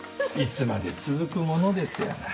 いつまで続くものですやら。